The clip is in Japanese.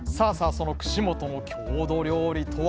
その串本の郷土料理とは？